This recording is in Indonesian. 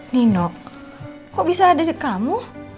nino kok bisa ada di kamu